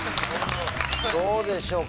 どうでしょうか？